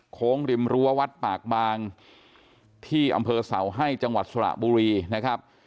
ริมรั้ววัดปากบางที่อำเภอเสาให้จังหวัดสระบุรีนะครับ